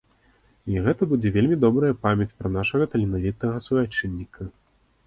І гэта будзе вельмі добрая памяць пра нашага таленавітага суайчынніка.